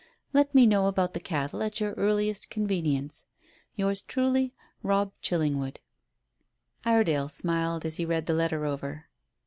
Let me know about the cattle at your earliest convenience. "Yours truly, "ROBB CHILLINGWOOD." Iredale smiled as he read the letter over.